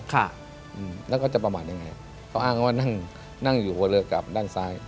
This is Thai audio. ค่ะอืมแล้วก็จะประมาทยังไงเขาอ้างว่านั่งนั่งอยู่หัวเรือกลับด้านซ้าย